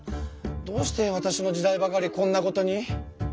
どうしてわたしの時代ばかりこんなことに。